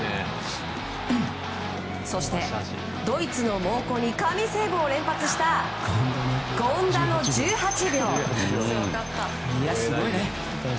そしてドイツの猛攻に神セーブを連発した、権田の１８秒。